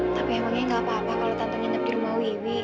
tapi emangnya gak apa apa kalau tante nginep di rumah wiwi